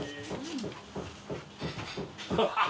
ハハハ